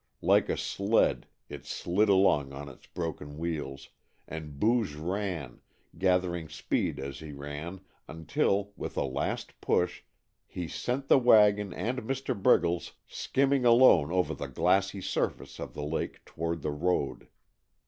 Like a sled it slid along on its broken wheels, and Booge ran, gathering speed as he ran, until, with a last push, he sent the wagon and Mr. Briggles skimming alone over the glassy surface of the lake toward the road.